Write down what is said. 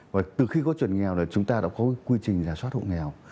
và từ khi có chuẩn nghèo là chúng ta đã có cái quy trình giả soát hộ nghèo